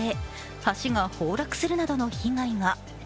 橋が崩落するなどの被害が。